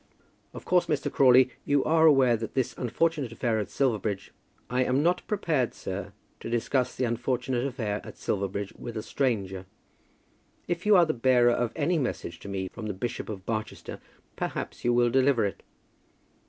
"Of course, Mr. Crawley, you are aware that this unfortunate affair at Silverbridge " "I am not prepared, sir, to discuss the unfortunate affair at Silverbridge with a stranger. If you are the bearer of any message to me from the Bishop of Barchester, perhaps you will deliver it."